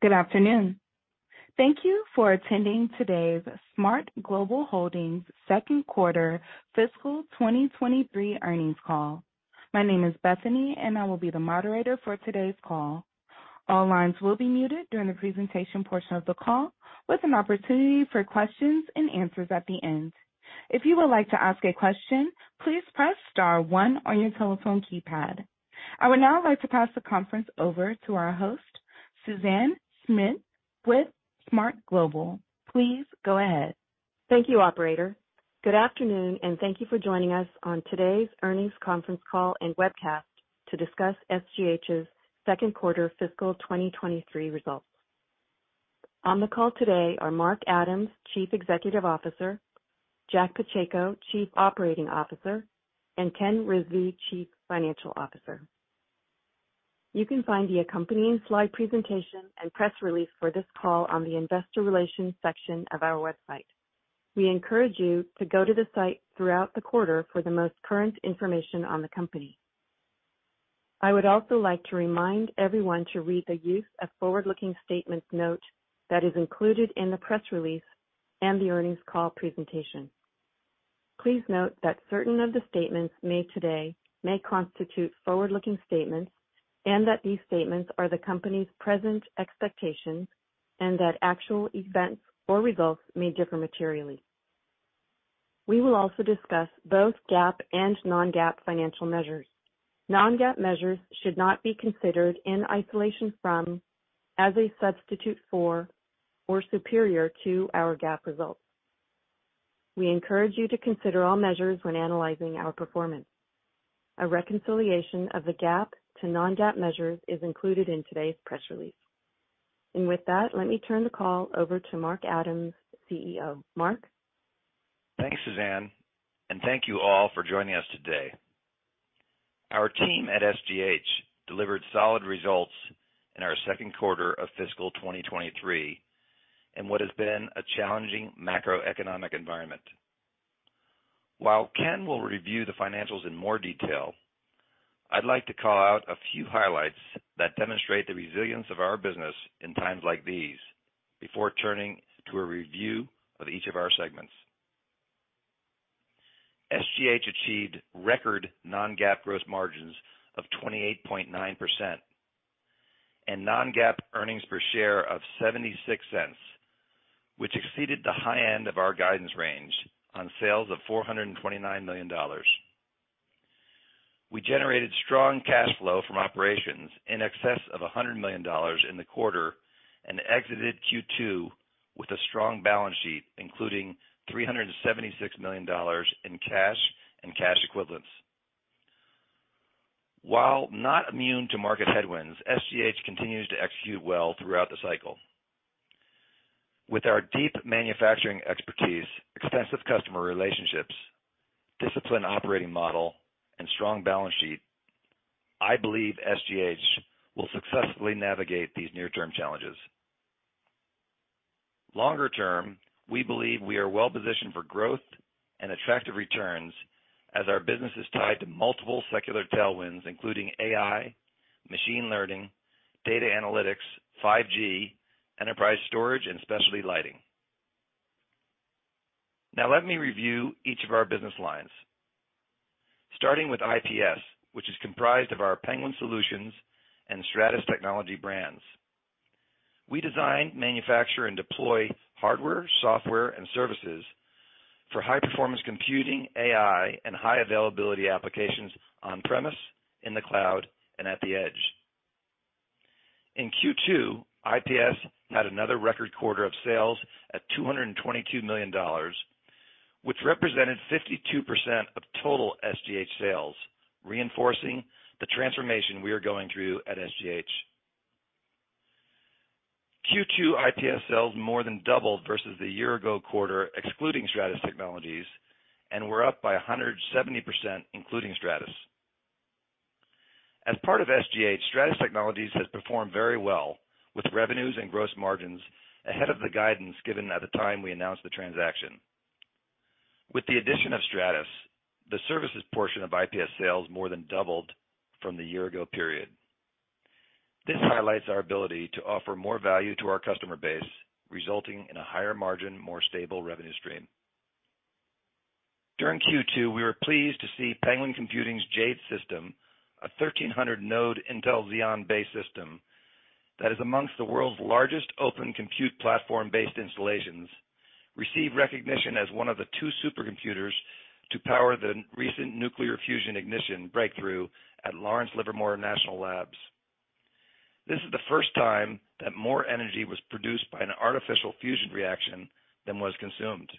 Good afternoon. Thank you for attending today's SMART Global Holdings Q2 fiscal 2023 earnings call. My name is Bethany. I will be the moderator for today's call. All lines will be muted during the presentation portion of the call, with an opportunity for questions and answers at the end. If you would like to ask a question, please press star one on your telephone keypad. I would now like to pass the conference over to our host, Suzanne Schmidt with SMART Global. Please go ahead. Thank you, operator. Good afternoon. Thank you for joining us on today's earnings conference call and webcast to discuss SGH's Q2 fiscal 2023 results. On the call today are Mark Adams, Chief Executive Officer, Jack Pacheco, Chief Operating Officer, and Ken Rizvi, Chief Financial Officer. You can find the accompanying slide presentation and press release for this call on the investor relations section of our website. We encourage you to go to the site throughout the quarter for the most current information on the company. I would also like to remind everyone to read the use of forward-looking statements note that is included in the press release and the earnings call presentation. Please note that certain of the statements made today may constitute forward-looking statements, and that these statements are the company's present expectations, and that actual events or results may differ materially. We will also discuss both GAAP and non-GAAP financial measures. Non-GAAP measures should not be considered in isolation from, as a substitute for, or superior to our GAAP results. We encourage you to consider all measures when analyzing our performance. A reconciliation of the GAAP to non-GAAP measures is included in today's press release. With that, let me turn the call over to Mark Adams, CEO. Mark? Thanks, Suzanne. Thank you all for joining us today. Our team at SGH delivered solid results in our Q2 of fiscal 2023 in what has been a challenging macroeconomic environment. While Ken will review the financials in more detail, I'd like to call out a few highlights that demonstrate the resilience of our business in times like these before turning to a review of each of our segments. SGH achieved record non-GAAP gross margins of 28.9% and non-GAAP earnings per share of $0.76, which exceeded the high end of our guidance range on sales of $429 million. We generated strong cash flow from operations in excess of $100 million in the quarter and exited Q2 with a strong balance sheet, including $376 million in cash and cash equivalents. While not immune to market headwinds, SGH continues to execute well throughout the cycle. With our deep manufacturing expertise, extensive customer relationships, disciplined operating model, and strong balance sheet, I believe SGH will successfully navigate these near-term challenges. Longer term, we believe we are well positioned for growth and attractive returns as our business is tied to multiple secular tailwinds, including AI, machine learning, data analytics, 5G, enterprise storage, and specialty lighting. Let me review each of our business lines. Starting with IPS, which is comprised of our Penguin Solutions and Stratus Technologies brands. We design, manufacture, and deploy hardware, software, and services for high-performance computing, AI, and high availability applications on-premise, in the cloud, and at the edge. In Q2, IPS had another record quarter of sales at $222 million, which represented 52% of total SGH sales, reinforcing the transformation we are going through at SGH. Q2 IPS sales more than doubled versus the year ago quarter, excluding Stratus Technologies, and were up by 170%, including Stratus. As part of SGH, Stratus Technologies has performed very well with revenues and gross margins ahead of the guidance given at the time we announced the transaction. With the addition of Stratus, the services portion of IPS sales more than doubled from the year ago period. This highlights our ability to offer more value to our customer base, resulting in a higher margin, more stable revenue stream. During Q2, we were pleased to see Penguin Computing's Jade system, a 1,300 node Intel Xeon-based system that is amongst the world's largest Open Compute Project-based installations, receive recognition as one of the two supercomputers to power the recent nuclear fusion ignition breakthrough at Lawrence Livermore National Laboratory. This is the first time that more energy was produced by an artificial fusion reaction than was consumed.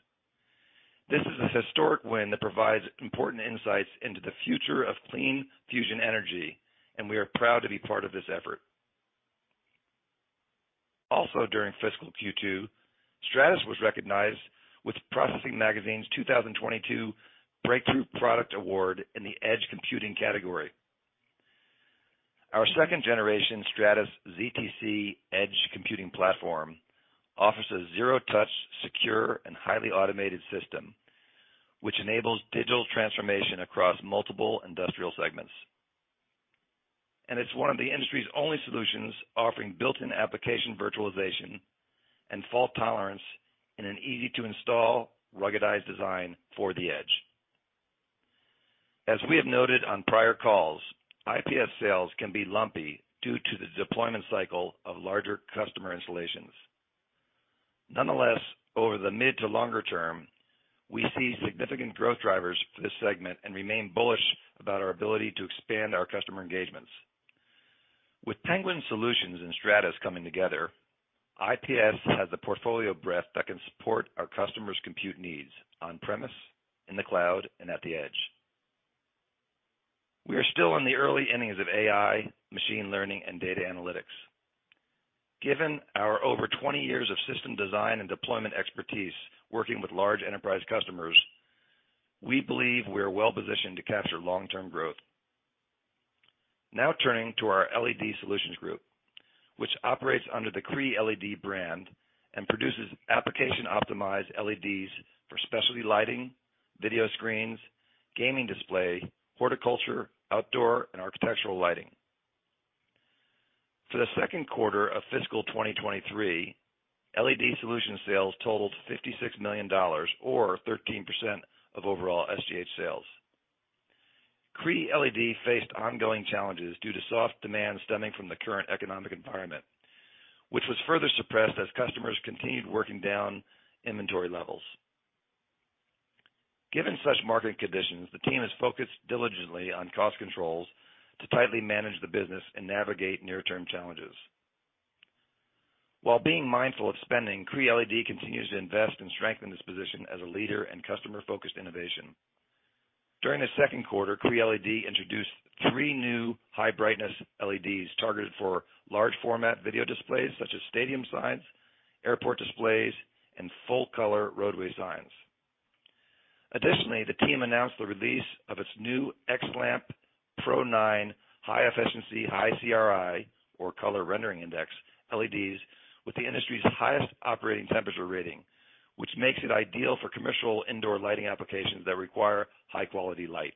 This is a historic win that provides important insights into the future of clean fusion energy, and we are proud to be part of this effort. During fiscal Q2, Stratus was recognized with Processing Magazine's 2022 Breakthrough Products Award in the Edge Computing category. Our second-generation Stratus ztC Edge Computing platform offers a zero-touch, secure, and highly automated system, which enables digital transformation across multiple industrial segments. It's one of the industry's only solutions offering built-in application virtualization and fault tolerance in an easy-to-install, ruggedized design for the edge. As we have noted on prior calls, IPS sales can be lumpy due to the deployment cycle of larger customer installations. Nonetheless, over the mid to longer term, we see significant growth drivers for this segment and remain bullish about our ability to expand our customer engagements. With Penguin Solutions and Stratus coming together, IPS has the portfolio breadth that can support our customers' compute needs on-premise, in the cloud, and at the edge. We are still in the early innings of AI, machine learning, and data analytics. Given our over 20 years of system design and deployment expertise working with large enterprise customers, we believe we are well-positioned to capture long-term growth. Turning to our LED Solutions group, which operates under the Cree LED brand and produces application-optimized LEDs for specialty lighting, video screens, gaming display, horticulture, outdoor, and architectural lighting. For the Q2 of fiscal 2023, LED Solutions sales totaled $56 million, or 13% of overall SGH sales. Cree LED faced ongoing challenges due to soft demand stemming from the current economic environment, which was further suppressed as customers continued working down inventory levels. Given such market conditions, the team has focused diligently on cost controls to tightly manage the business and navigate near-term challenges. While being mindful of spending, Cree LED continues to invest and strengthen its position as a leader in customer-focused innovation. During the Q2, Cree LED introduced 3 new high-brightness LEDs targeted for large format video displays such as stadium signs, airport displays, and full-color roadway signs. Additionally, the team announced the release of its new XLamp Pro9 high-efficiency, high CRI, or color rendering index, LEDs with the industry's highest operating temperature rating, which makes it ideal for commercial indoor lighting applications that require high-quality light.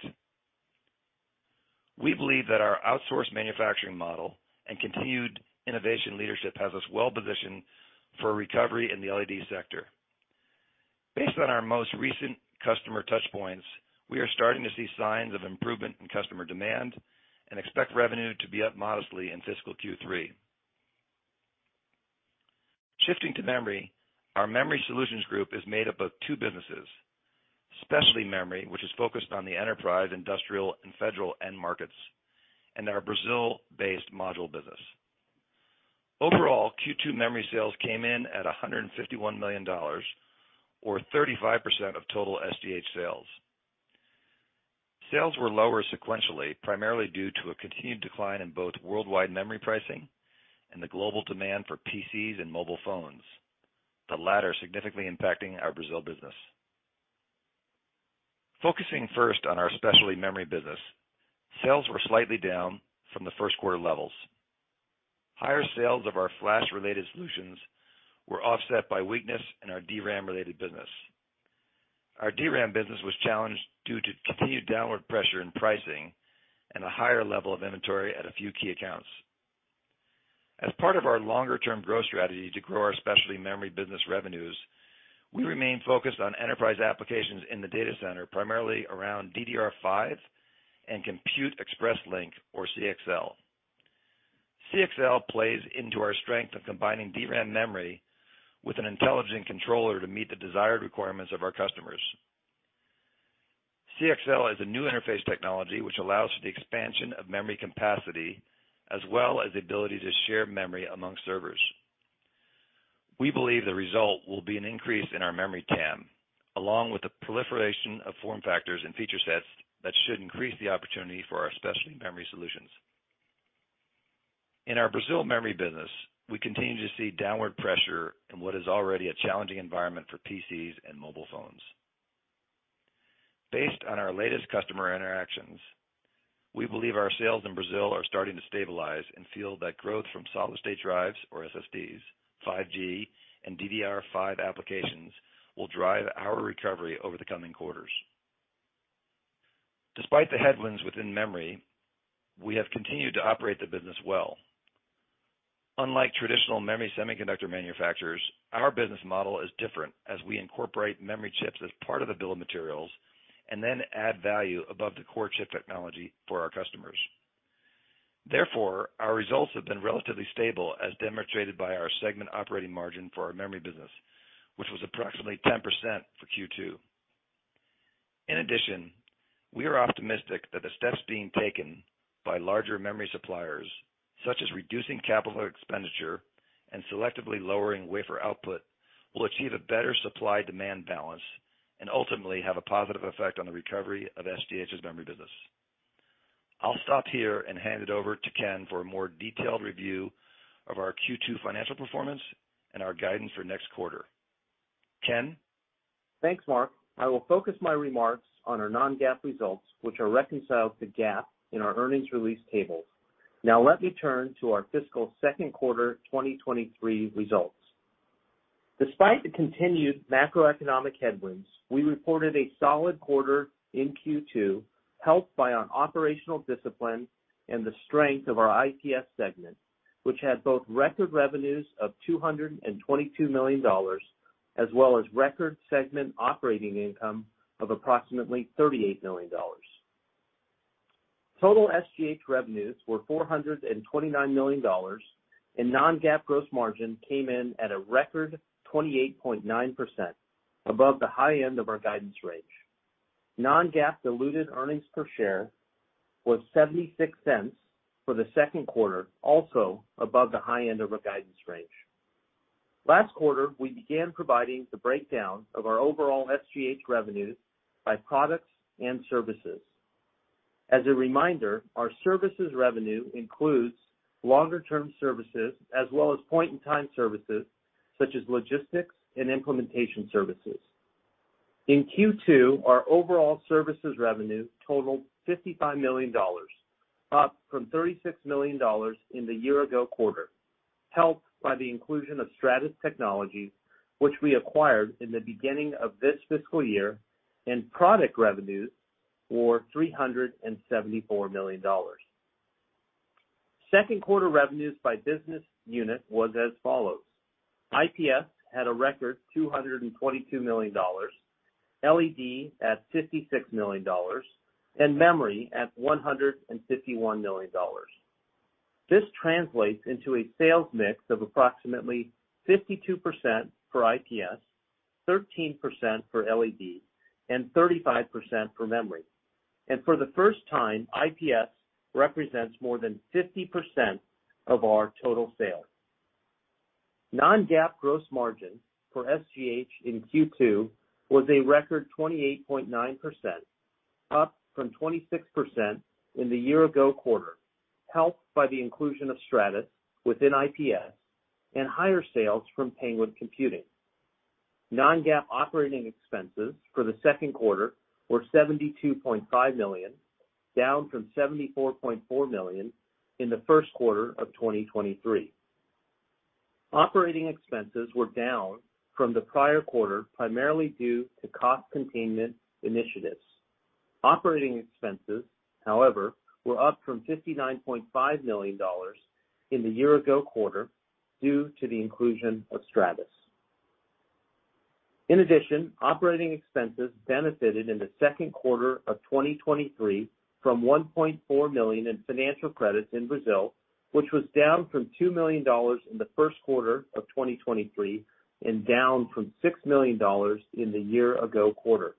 We believe that our outsourced manufacturing model and continued innovation leadership has us well-positioned for a recovery in the LED sector. Based on our most recent customer touchpoints, we are starting to see signs of improvement in customer demand and expect revenue to be up modestly in fiscal Q3. Shifting to memory, our Memory Solutions group is made up of two businesses: specialty memory, which is focused on the enterprise, industrial, and federal end markets, and our Brazil-based module business. Overall, Q2 memory sales came in at $151 million or 35% of total SGH sales. Sales were lower sequentially, primarily due to a continued decline in both worldwide memory pricing and the global demand for PCs and mobile phones, the latter significantly impacting our Brazil business. Focusing first on our specialty memory business, sales were slightly down from the Q1 levels. Higher sales of our flash-related solutions were offset by weakness in our DRAM-related business. Our DRAM business was challenged due to continued downward pressure in pricing and a higher level of inventory at a few key accounts. As part of our longer-term growth strategy to grow our specialty memory business revenues, we remain focused on enterprise applications in the data center, primarily around DDR5 and Compute Express Link, or CXL. CXL plays into our strength of combining DRAM memory with an intelligent controller to meet the desired requirements of our customers. CXL is a new interface technology which allows for the expansion of memory capacity as well as the ability to share memory among servers. We believe the result will be an increase in our memory TAM, along with the proliferation of form factors and feature sets that should increase the opportunity for our specialty memory solutions. In our Brazil memory business, we continue to see downward pressure in what is already a challenging environment for PCs and mobile phones. Based on our latest customer interactions, we believe our sales in Brazil are starting to stabilize and feel that growth from solid-state drives, or SSDs, 5G, and DDR5 applications will drive our recovery over the coming quarters. Despite the headwinds within memory, we have continued to operate the business well. Unlike traditional memory semiconductor manufacturers, our business model is different as we incorporate memory chips as part of the bill of materials and then add value above the core chip technology for our customers. Therefore, our results have been relatively stable as demonstrated by our segment operating margin for our memory business, which was approximately 10% for Q2. In addition, we are optimistic that the steps being taken by larger memory suppliers, such as reducing capital expenditure and selectively lowering wafer output, will achieve a better supply-demand balance and ultimately have a positive effect on the recovery of SGH's memory business. I'll stop here and hand it over to Ken for a more detailed review of our Q2 financial performance and our guidance for next quarter. Ken? Thanks, Mark. I will focus my remarks on our non-GAAP results, which are reconciled to GAAP in our earnings release tables. Let me turn to our fiscal Q2 2023 results. Despite the continued macroeconomic headwinds, we reported a solid quarter in Q2, helped by our operational discipline and the strength of our IPS segment, which had both record revenues of $222 million as well as record segment operating income of approximately $38 million. Total SGH revenues were $429 million, and non-GAAP gross margin came in at a record 28.9%, above the high end of our guidance range. Non-GAAP diluted earnings per share was $0.76 for the Q2, also above the high end of our guidance range. Last quarter, we began providing the breakdown of our overall SGH revenues by products and services. As a reminder, our services revenue includes longer-term services as well as point-in-time services such as logistics and implementation services. In Q2, our overall services revenue totaled $55 million, up from $36 million in the year ago quarter, helped by the inclusion of Stratus Technologies, which we acquired in the beginning of this fiscal year, and product revenues for $374 million. Second quarter revenues by business unit was as follows: IPS had a record $222 million, LED at $56 million, and memory at $151 million. This translates into a sales mix of approximately 52% for IPS, 13% for LED, and 35% for memory. For the first time, IPS represents more than 50% of our total sales. Non-GAAP gross margin for SGH in Q2 was a record 28.9%, up from 26% in the year ago quarter, helped by the inclusion of Stratus within IPS and higher sales from Penguin Computing. Non-GAAP operating expenses for the Q2 were $72.5 million, down from $74.4 million in the Q1 of 2023. Operating expenses were down from the prior quarter, primarily due to cost containment initiatives. Operating expenses, however, were up from $59.5 million in the year ago quarter due to the inclusion of Stratus. In addition, operating expenses benefited in the Q2 of 2023 from $1.4 million in financial credits in Brazil, which was down from $2 million in the Q1 of 2023 and down from $6 million in the year ago quarter.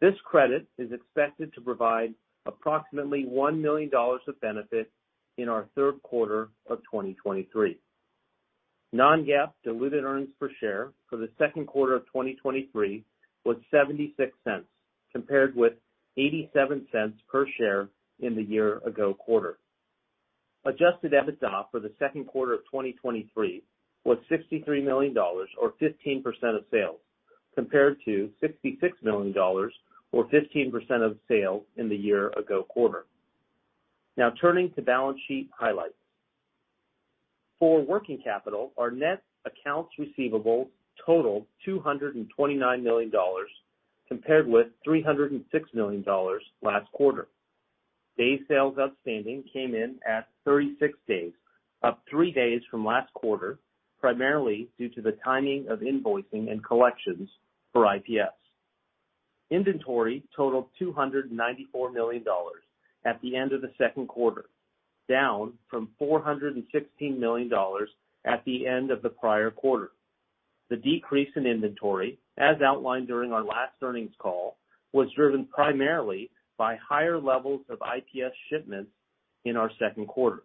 This credit is expected to provide approximately $1 million of benefit in our Q3 of 2023. Non-GAAP diluted earnings per share for the Q2 of 2023 was $0.76, compared with $0.87 per share in the year-ago quarter. Adjusted EBITDA for the Q2 of 2023 was $63 million, or 15% of sales, compared to $66 million or 15% of sales in the year-ago quarter. Now turning to balance sheet highlights. For working capital, our net accounts receivable totaled $229 million, compared with $306 million last quarter. Day sales outstanding came in at 36 days, up three days from last quarter, primarily due to the timing of invoicing and collections for IPS. Inventory totaled $294 million at the end of the Q2, down from $416 million at the end of the prior quarter. The decrease in inventory, as outlined during our last earnings call, was driven primarily by higher levels of IPS shipments in our Q2.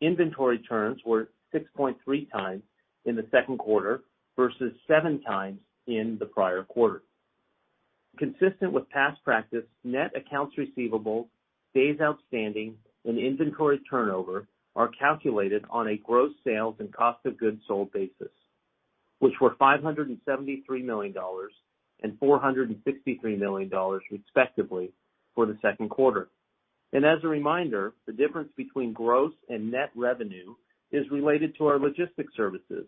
Inventory turns were 6.3 times in the Q2 versus 7 times in the prior quarter. Consistent with past practice, net accounts receivable, days outstanding, and inventory turnover are calculated on a gross sales and cost of goods sold basis, which were $573 million and $463 million, respectively, for the Q2. As a reminder, the difference between gross and net revenue is related to our logistics services,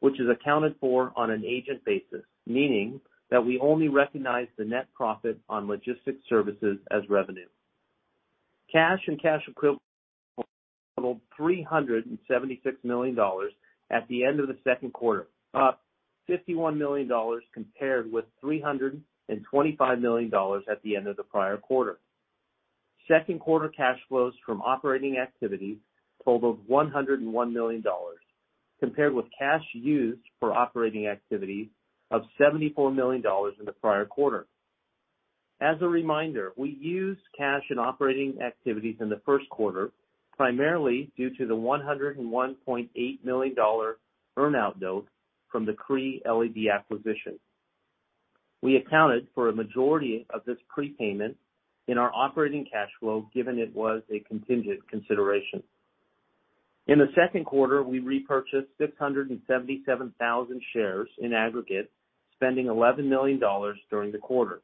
which is accounted for on an agent basis, meaning that we only recognize the net profit on logistics services as revenue. Cash and cash equivalents totaled $376 million at the end of the Q2, up $51 million compared with $325 million at the end of the prior quarter. Second quarter cash flows from operating activities totaled $101 million, compared with cash used for operating activities of $74 million in the prior quarter. As a reminder, we used cash in operating activities in the Q1, primarily due to the $101.8 million earnout note from the Cree LED acquisition. We accounted for a majority of this prepayment in our operating cash flow, given it was a contingent consideration. In the Q2, we repurchased 677,000 shares in aggregate, spending $11 million during the quarter,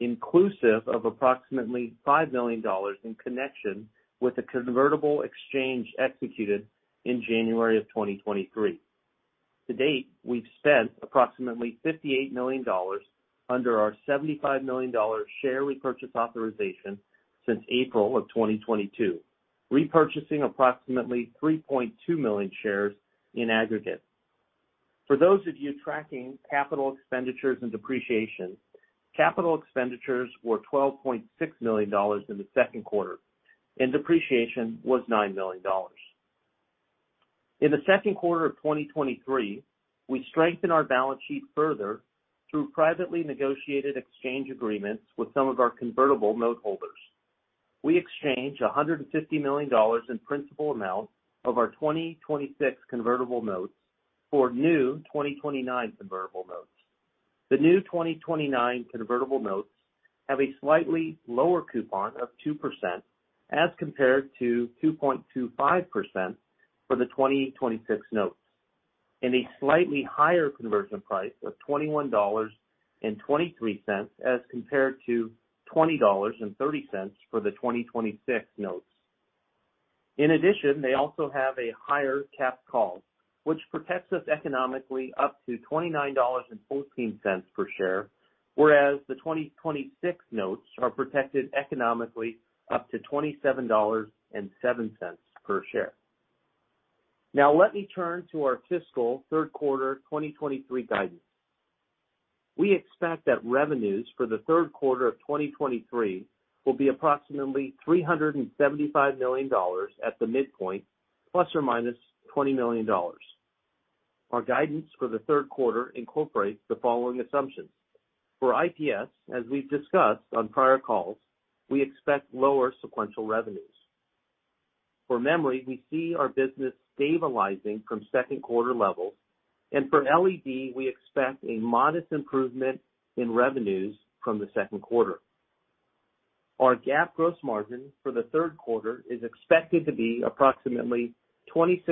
inclusive of approximately $5 million in connection with the convertible exchange executed in January of 2023. To date, we've spent approximately $58 million under our $75 million share repurchase authorization since April of 2022, repurchasing approximately 3.2 million shares in aggregate. For those of you tracking capital expenditures and depreciation, capital expenditures were $12.6 million in the Q2, and depreciation was $9 million. In the Q2 of 2023, we strengthened our balance sheet further through privately negotiated exchange agreements with some of our convertible noteholders. We exchanged $150 million in principal amount of our 2026 convertible notes for new 2029 convertible notes. The new 2029 convertible notes have a slightly lower coupon of 2% as compared to 2.25% for the 2026 notes, and a slightly higher conversion price of $21.23 as compared to $20.30 for the 2026 notes. In addition, they also have a higher capped call, which protects us economically up to $29.14 per share, whereas the 2026 notes are protected economically up to $27.07 per share. Now let me turn to our fiscal 3rd quarter 2023 guidance. We expect that revenues for the Q3 of 2023 will be approximately $375 million at the midpoint, ±$20 million. Our guidance for the Q3 incorporates the following assumptions: For IPS, as we've discussed on prior calls, we expect lower sequential revenues. For memory, we see our business stabilizing from Q2 levels. For LED, we expect a modest improvement in revenues from the Q2. Our GAAP gross margin for the Q3 is expected to be approximately 26%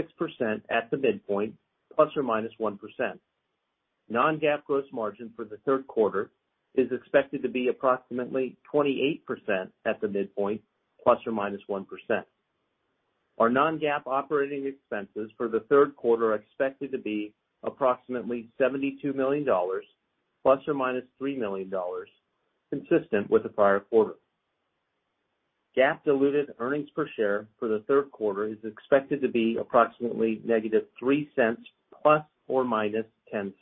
at the midpoint, ±1%. Non-GAAP gross margin for the Q3 is expected to be approximately 28% at the midpoint, ±1%. Our non-GAAP operating expenses for the Q3 are expected to be approximately $72 million, ±$3 million, consistent with the prior quarter. GAAP diluted earnings per share for the Q3 is expected to be approximately negative $0.03, ±$0.10.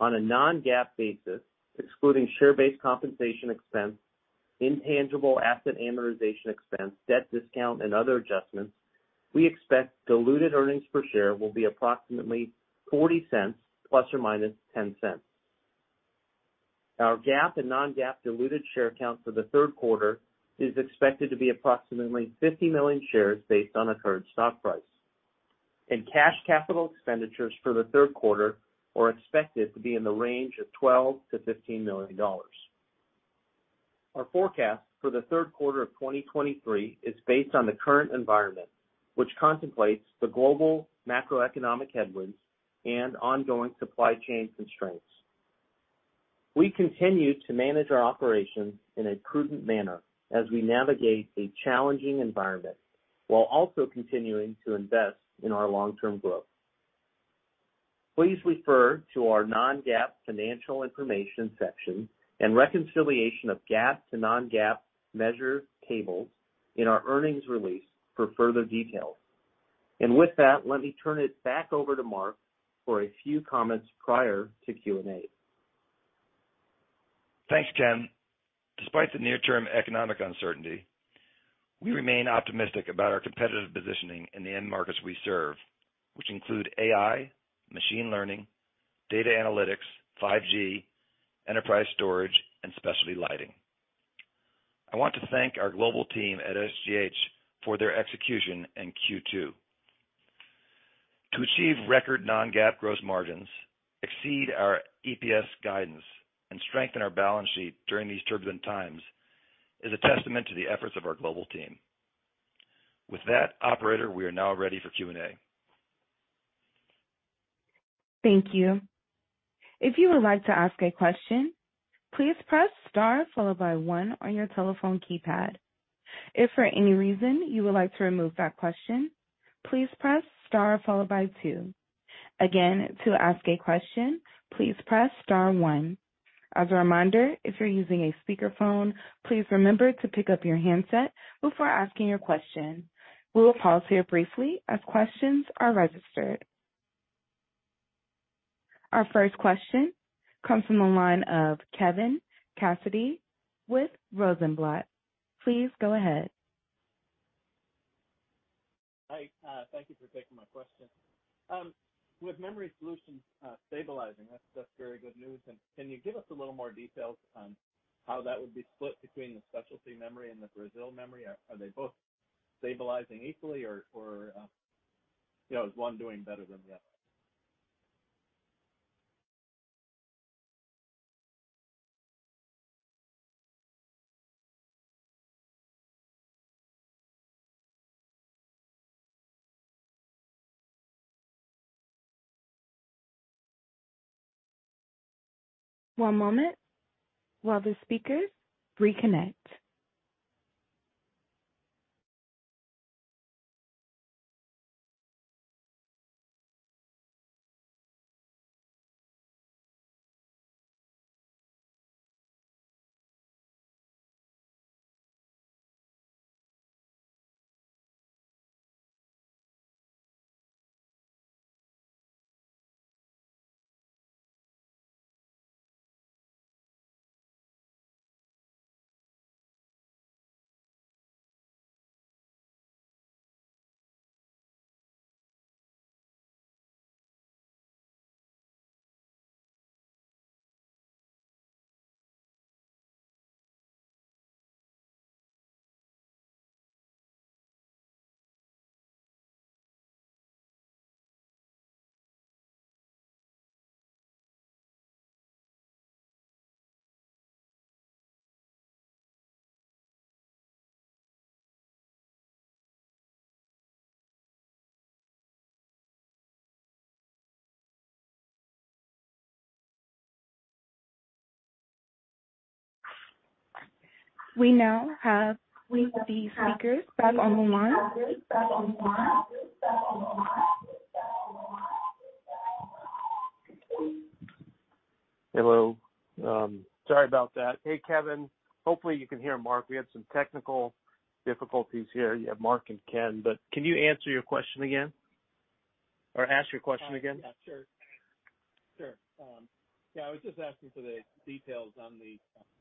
On a non-GAAP basis, excluding share-based compensation expense, intangible asset amortization expense, debt discount, and other adjustments, we expect diluted earnings per share will be approximately $0.40, ±$0.10. Our GAAP and non-GAAP diluted share count for the Q3 is expected to be approximately 50 million shares based on the current stock price. Cash capital expenditures for the Q3 are expected to be in the range of $12 million-$15 million. Our forecast for the Q3 of 2023 is based on the current environment, which contemplates the global macroeconomic headwinds and ongoing supply chain constraints. We continue to manage our operations in a prudent manner as we navigate a challenging environment, while also continuing to invest in our long-term growth. Please refer to our non-GAAP financial information section and reconciliation of GAAP to non-GAAP measure tables in our earnings release for further details. With that, let me turn it back over to Mark for a few comments prior to Q&A. Thanks, Ken. Despite the near-term economic uncertainty, we remain optimistic about our competitive positioning in the end markets we serve, which include AI, machine learning, data analytics, 5G, enterprise storage, and specialty lighting. I want to thank our global team at SGH for their execution in Q2. To achieve record non-GAAP gross margins, exceed our EPS guidance, and strengthen our balance sheet during these turbulent times is a testament to the efforts of our global team. Operator, we are now ready for Q&A. Thank you. If you would like to ask a question, please press star followed by 1 on your telephone keypad. If for any reason you would like to remove that question, please press star followed by 2. Again, to ask a question, please press star 1. As a reminder, if you're using a speakerphone, please remember to pick up your handset before asking your question. We will pause here briefly as questions are registered. Our first question comes from the line of Kevin Cassidy with Rosenblatt. Please go ahead. Hi, thank you for taking my question. With Memory Solutions stabilizing, that's very good news. Can you give us a little more details on how that would be split between the specialty memory and the Brazil memory? Are they both stabilizing equally or, you know, is one doing better than the other? One moment while the speakers reconnect. We now have the speakers back on the line. Hello. Sorry about that. Hey, Kevin. Hopefully, you can hear Mark. We had some technical difficulties here. You have Mark and Ken, can you answer your question again or ask your question again? Yeah, sure. Sure. I was just asking for the details on the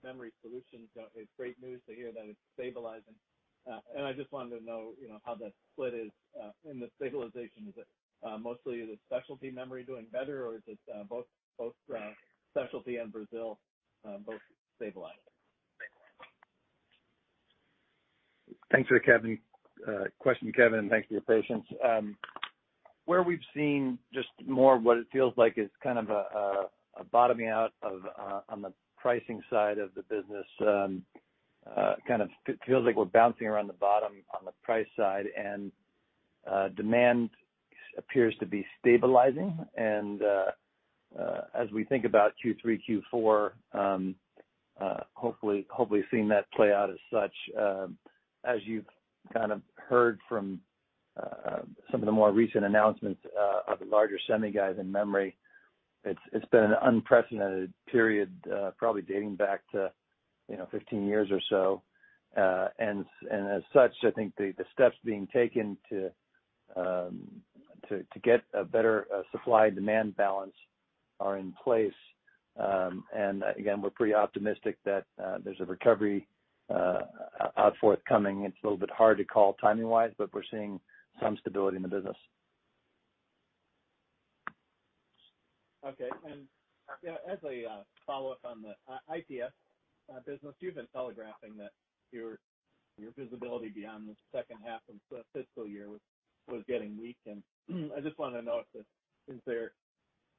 Memory Solutions. It's great news to hear that it's stabilizing. I just wanted to know, you know, how that split is in the stabilization. Is it mostly the specialty memory doing better, or is it both specialty and Brazil both stabilizing? Thanks for the question, Kevin, and thanks for your patience. Where we've seen just more of what it feels like is kind of a bottoming out of on the pricing side of the business, kind of feels like we're bouncing around the bottom on the price side, and demand appears to be stabilizing. As we think about Q3, Q4, hopefully seeing that play out as such, as you've kind of heard from some of the more recent announcements of the larger semi guys in memory, it's been an unprecedented period, probably dating back to, you know, 15 years or so. As such, I think the steps being taken to get a better supply-demand balance are in place. Again, we're pretty optimistic that there's a recovery out forthcoming. It's a little bit hard to call timing-wise, but we're seeing some stability in the business. Okay. You know, as a follow-up on the IPS business, you've been telegraphing that your visibility beyond the second half of the fiscal year was getting weak. I just wanna note that since you're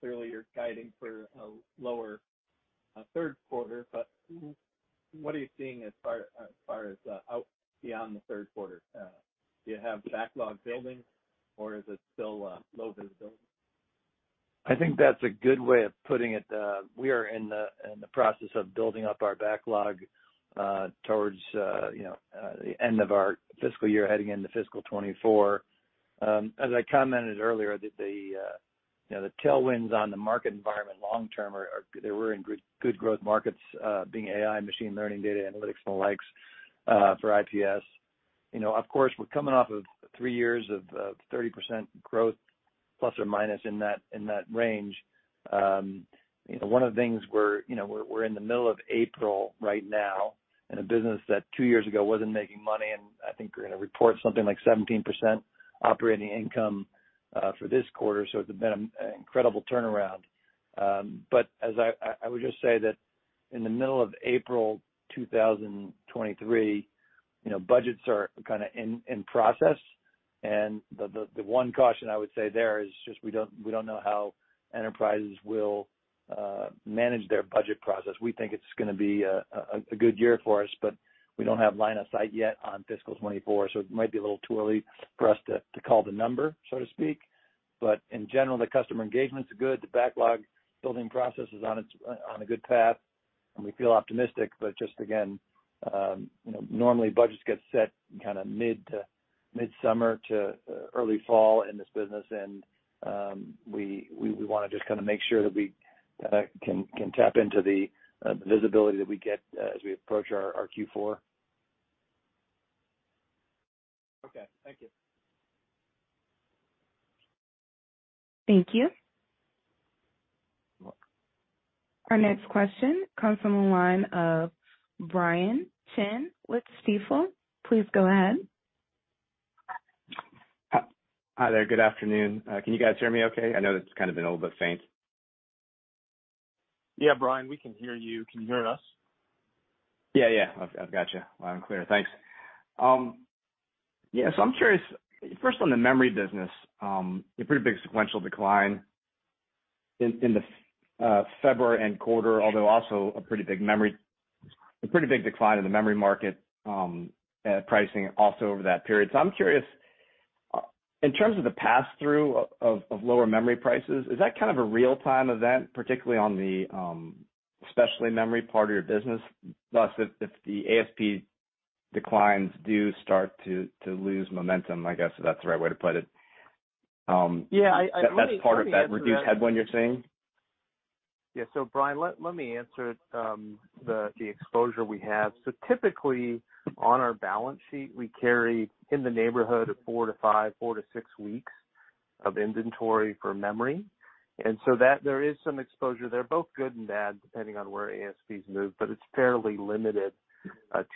clearly you're guiding for a lower Q3, but what are you seeing as far as out beyond the Q3? Do you have backlog building, or is it still low visibility? I think that's a good way of putting it. We are in the process of building up our backlog towards, you know, the end of our fiscal year heading into fiscal 2024. As I commented earlier that, you know, the tailwinds on the market environment long term are. They were in good growth markets, being AI, machine learning, data analytics, and the likes for IPS. You know, of course, we're coming off of three years of 30% growth plus or minus in that range. You know, one of the things we're. You know, we're in the middle of April right now in a business that two years ago wasn't making money, and I think we're gonna report something like 17% operating income for this quarter. It's been an incredible turnaround. As I would just say that in the middle of April 2023, you know, budgets are kind of in process. The one caution I would say there is just we don't know how enterprises will manage their budget process. We think it's going to be a good year for us, but we don't have line of sight yet on fiscal 2024, so it might be a little too early for us to call the number, so to speak. In general, the customer engagement's good. The backlog building process is on a good path, and we feel optimistic. Just again, you know, normally budgets get set in kind of mid to mid-summer to early fall in this business. We wanna just kinda make sure that we can tap into the visibility that we get as we approach our Q4. Okay. Thank you. Thank you. Our next question comes from the line of Brian Chin with Stifel. Please go ahead. Hi there. Good afternoon. Can you guys hear me okay? I know that's kind of been a little bit faint. Yeah, Brian, we can hear you. Can you hear us? Yeah. I've got you loud and clear. Thanks. I'm curious, first on the memory business, a pretty big sequential decline in the February end quarter, although also a pretty big decline in the memory market, pricing also over that period. I'm curious, in terms of the pass-through of lower memory prices, is that kind of a real time event, particularly on the specialty memory part of your business? If the ASP declines do start to lose momentum, I guess, if that's the right way to put it. Yeah. that's part of that reduced headwind you're seeing? Brian, let me answer the exposure we have. Typically on our balance sheet, we carry in the neighborhood of 4 to 5, 4 to 6 weeks of inventory for memory. That there is some exposure. They're both good and bad, depending on where ASPs move, but it's fairly limited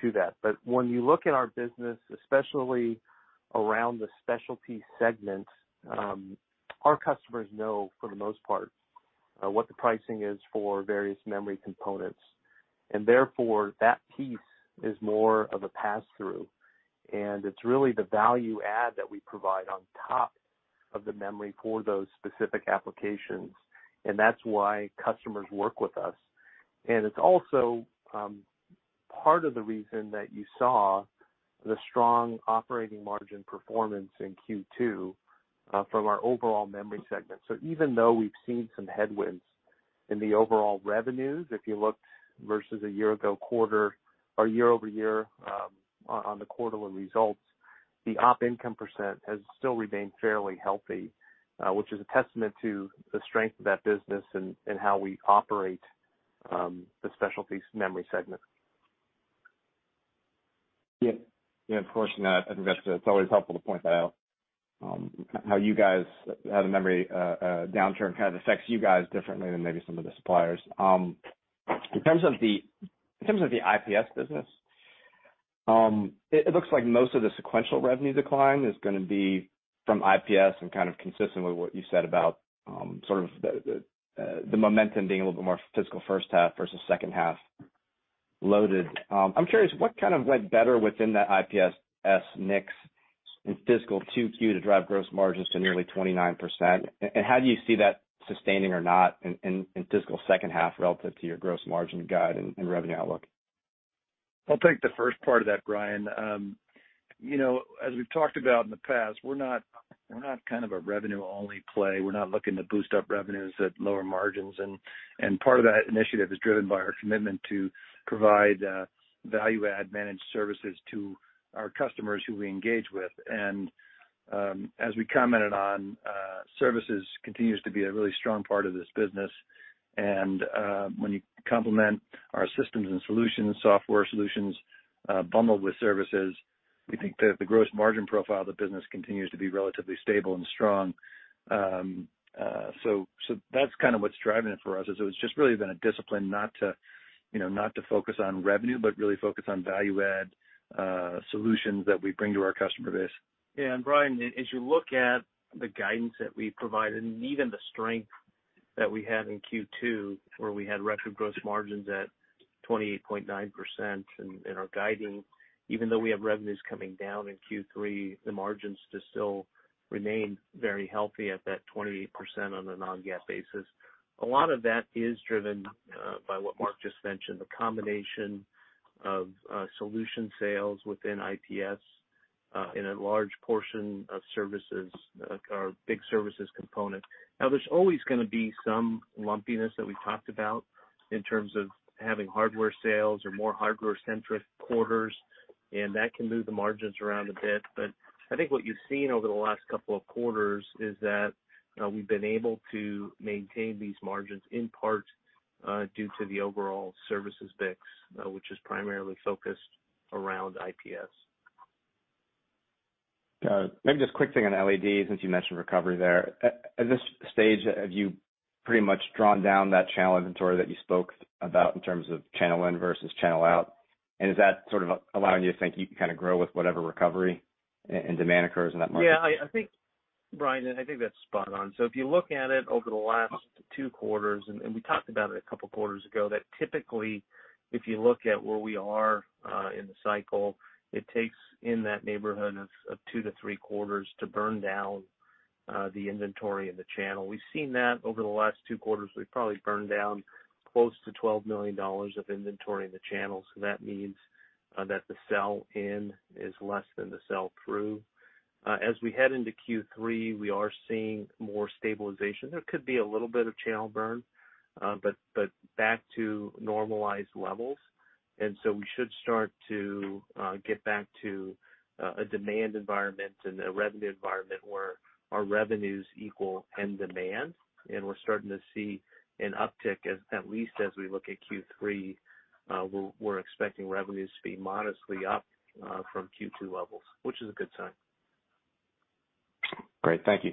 to that. When you look at our business, especially around the specialty segment, our customers know for the most part what the pricing is for various memory components, and therefore that piece is more of a pass-through. It's really the value add that we provide on top of the memory for those specific applications, and that's why customers work with us. It's also part of the reason that you saw the strong operating margin performance in Q2 from our overall memory segment. Even though we've seen some headwinds in the overall revenues, if you looked versus a year ago quarter or year-over-year, on the quarterly results, the op income % has still remained fairly healthy, which is a testament to the strength of that business and how we operate, the specialty memory segment. Yeah. Of course, Matt, I think that's, it's always helpful to point that out, how you guys, how the memory downturn kind of affects you guys differently than maybe some of the suppliers. In terms of the IPS business, it looks like most of the sequential revenue decline is gonna be from IPS and kind of consistent with what you said about sort of the momentum being a little bit more fiscal first half versus second half loaded. I'm curious, what kind of went better within that IPS mix in fiscal 2Q to drive gross margins to nearly 29%? How do you see that sustaining or not in fiscal second half relative to your gross margin guide and revenue outlook? I'll take the first part of that, Brian. you know, as we've talked about in the past, we're not kind of a revenue-only play. We're not looking to boost up revenues at lower margins. Part of that initiative is driven by our commitment to provide value add managed services to our customers who we engage with. As we commented on, services continues to be a really strong part of this business. When you complement our systems and solutions, software solutions, bundled with services, we think that the gross margin profile of the business continues to be relatively stable and strong. That's kind of what's driving it for us, is it was just really been a discipline not to, you know, not to focus on revenue, but really focus on value add solutions that we bring to our customer base. Yeah. Brian, as you look at the guidance that we provided, and even the strength that we had in Q2, where we had record gross margins at 28.9% and are guiding, even though we have revenues coming down in Q3, the margins just still remain very healthy at that 28% on a non-GAAP basis. A lot of that is driven by what Mark just mentioned, the combination of solution sales within IPS, in a large portion of services, our big services component. Now, there's always gonna be some lumpiness that we talked about in terms of having hardware sales or more hardware-centric quarters, and that can move the margins around a bit. I think what you've seen over the last couple of quarters is that, we've been able to maintain these margins in part, due to the overall services mix, which is primarily focused around IPS. Got it. Maybe just quick thing on LEDs, since you mentioned recovery there. At this stage, have you pretty much drawn down that channel inventory that you spoke about in terms of channel in versus channel out? Is that sort of allowing you to think you can kind of grow with whatever recovery and demand occurs in that market? Yeah, I think, Brian, I think that's spot on. If you look at it over the last 2 quarters, and we talked about it a couple of quarters ago, that typically if you look at where we are, in the cycle, it takes in that neighborhood of 2 to 3 quarters to burn down, the inventory in the channel. We've seen that over the last 2 quarters. We've probably burned down close to $12 million of inventory in the channel. That means, that the sell in is less than the sell through. As we head into Q3, we are seeing more stabilization. There could be a little bit of channel burn, but back to normalized levels. We should start to get back to a demand environment and a revenue environment where our revenues equal end demand. We're starting to see an uptick at least as we look at Q3, we're expecting revenues to be modestly up from Q2 levels, which is a good sign. Great. Thank you.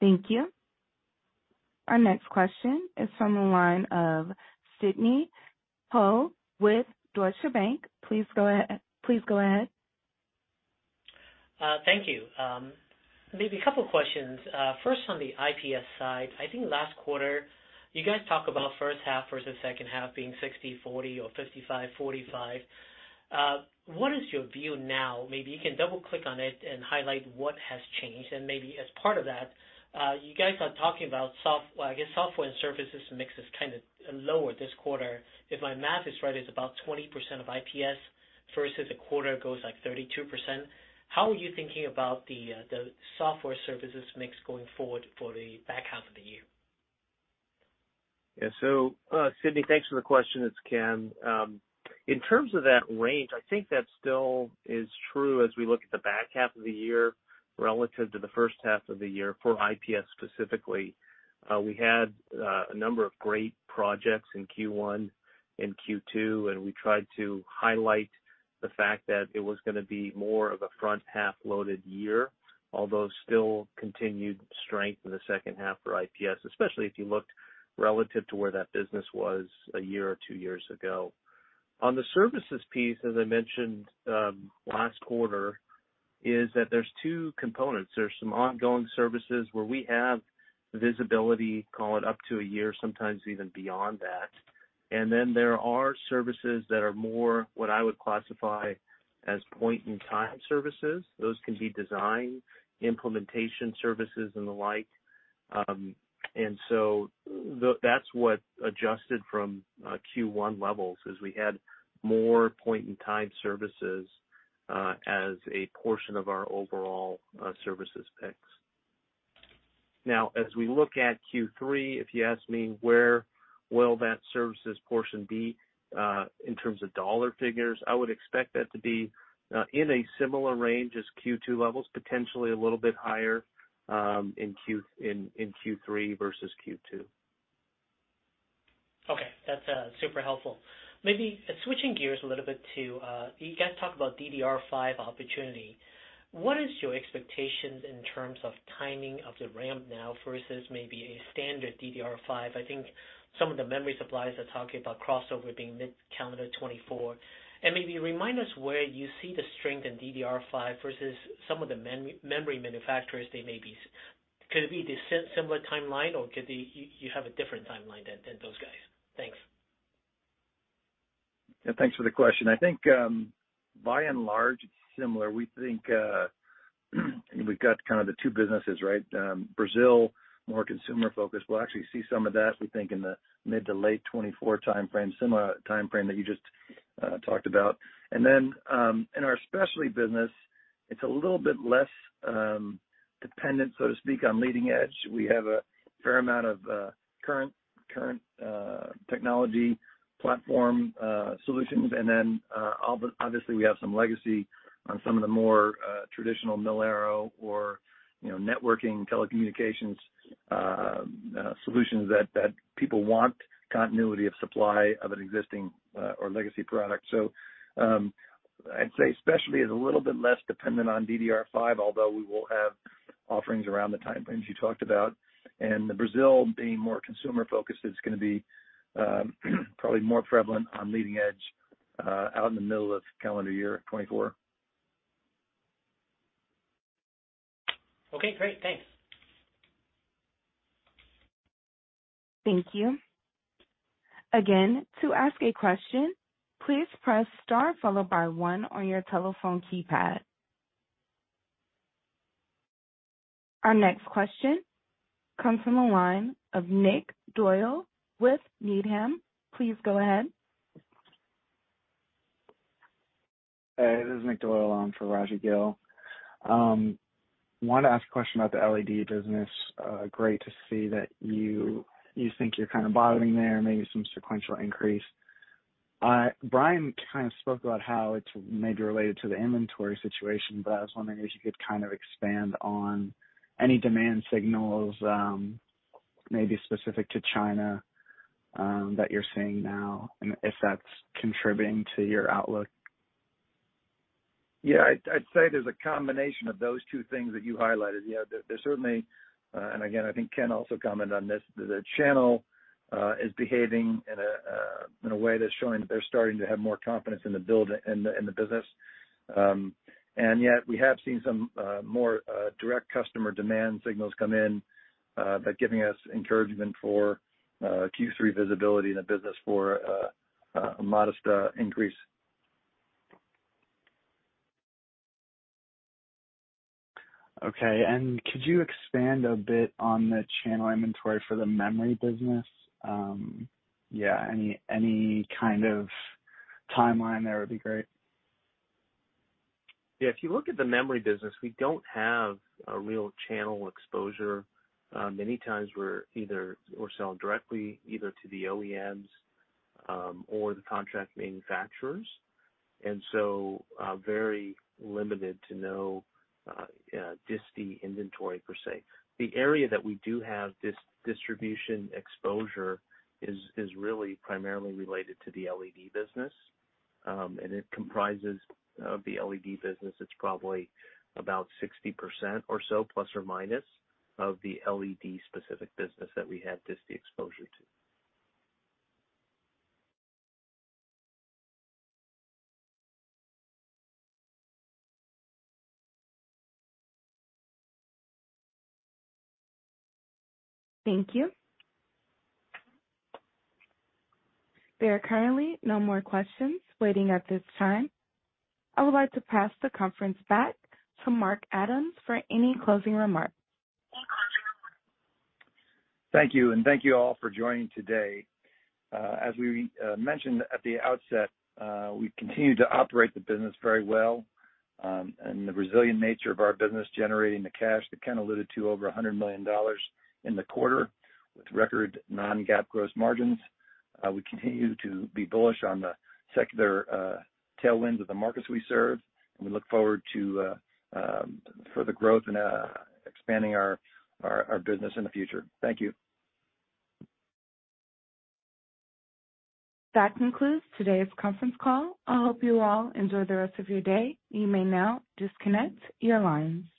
Thank you. Our next question is from the line of Sidney Ho with Deutsche Bank. Please go ahead. Thank you. Maybe a couple questions. First on the IPS side, I think last quarter you guys talk about first half versus second half being 60/40 or 55/45. What is your view now? Maybe you can double-click on it and highlight what has changed. Maybe as part of that, I guess software and services mix is kind of lower this quarter. If my math is right, it's about 20% of IPS versus a quarter goes like 32%. How are you thinking about the software services mix going forward for the back half of the year? Yeah. Sidney, thanks for the question. It's Ken. In terms of that range, I think that still is true as we look at the back half of the year relative to the first half of the year for IPS specifically. We had a number of great projects in Q1 and Q2, and we tried to highlight the fact that it was gonna be more of a front half-loaded year, although still continued strength in the second half for IPS, especially if you looked relative to where that business was a year or 2 years ago. On the services piece, as I mentioned last quarter, is that there's 2 components. There's some ongoing services where we have visibility, call it up to a year, sometimes even beyond that. There are services that are more what I would classify as point-in-time services. Those can be design, implementation services, and the like. That's what adjusted from Q1 levels is we had more point-in-time services as a portion of our overall services mix. Now, as we look at Q3, if you ask me, where will that services portion be in terms of dollar figures, I would expect that to be in a similar range as Q2 levels, potentially a little bit higher, in Q3 versus Q2. That's super helpful. Maybe switching gears a little bit to, you guys talk about DDR5 opportunity. What is your expectations in terms of timing of the ramp now versus maybe a standard DDR5? I think some of the memory suppliers are talking about crossover being mid-calendar 2024. Maybe remind us where you see the strength in DDR5 versus some of the memory manufacturers they may be. Could it be the similar timeline, or could you have a different timeline than those guys? Thanks. Yeah. Thanks for the question. I think, by and large, it's similar. We think, we've got kind of the two businesses, right? Brazil, more consumer-focused. We'll actually see some of that, we think, in the mid to late 2024 timeframe, similar timeframe that you just talked about. In our specialty business, it's a little bit less dependent, so to speak, on leading edge. We have a fair amount of current technology platform solutions. Obviously, we have some legacy on some of the more traditional mil-aero or, you know, networking telecommunications solutions that people want continuity of supply of an existing or legacy product. I'd say specialty is a little bit less dependent on DDR5, although we will have offerings around the timeframes you talked about. The Brazil being more consumer-focused, it's gonna be, probably more prevalent on leading edge, out in the middle of calendar year 2024. Okay, great. Thanks. Thank you. Again, to ask a question, please press star followed by one on your telephone keypad. Our next question comes from the line of Nick Doyle with Needham. Please go ahead. Hey, this is Nick Doyle on for Raji Gill. Wanted to ask a question about the LED business. Great to see that you think you're kind of bottoming there and maybe some sequential increase. Brian kind of spoke about how it's maybe related to the inventory situation, I was wondering if you could kind of expand on any demand signals, maybe specific to China, that you're seeing now and if that's contributing to your outlook. I'd say there's a combination of those two things that you highlighted. There certainly, and again, I think Ken also commented on this, the channel is behaving in a way that's showing that they're starting to have more confidence in the build and the business. Yet we have seen some more direct customer demand signals come in that giving us encouragement for Q3 visibility in the business for a modest increase. Okay. Could you expand a bit on the channel inventory for the memory business? Yeah, any kind of timeline there would be great. Yeah. If you look at the memory business, we don't have a real channel exposure. many times we're selling directly either to the OEMs or the contract manufacturers, very limited to no disti inventory per se. The area that we do have distribution exposure is really primarily related to the LED business. It comprises of the LED business. It's probably about 60% or so, plus or minus, of the LED specific business that we have disti exposure to. Thank you. There are currently no more questions waiting at this time. I would like to pass the conference back to Mark Adams for any closing remarks. Thank you, and thank you all for joining today. As we mentioned at the outset, we continue to operate the business very well, and the resilient nature of our business generating the cash that Ken alluded to, over $100 million in the quarter with record non-GAAP gross margins. We continue to be bullish on the secular tailwinds of the markets we serve, and we look forward to further growth and expanding our business in the future. Thank you. That concludes today's conference call. I hope you all enjoy the rest of your day. You may now disconnect your lines.